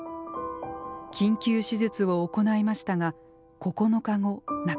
緊急手術を行いましたが９日後亡くなりました。